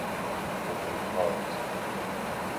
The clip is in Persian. فتوحات